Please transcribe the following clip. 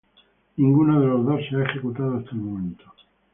Ninguno de los dos se ha ejecutado hasta el momento.